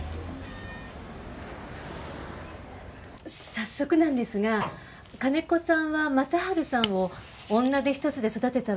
早速なんですが金子さんは正春さんを女手一つで育てたわけですよね？